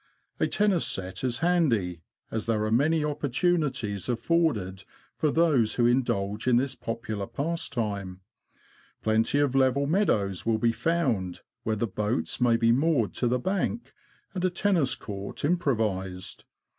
A tennis set is handy, as there are many opportunities afforded for those who indulge in this popular pastime ; plenty of level meadows will be found, where the boats may be moored to the bank and a tennis court improvised.